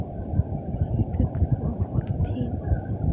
He took one for the team.